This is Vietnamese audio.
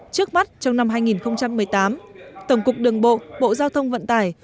trước mắt trong năm hai nghìn một mươi tám tổng cục đường bộ bộ giao thông vận tải